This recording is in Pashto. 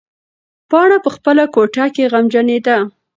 پاڼه په خپله کوټه کې غمجنېده.